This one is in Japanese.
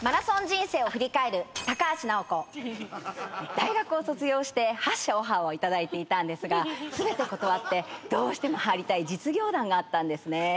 大学を卒業して８社オファーを頂いていたんですが全て断ってどうしても入りたい実業団があったんですね。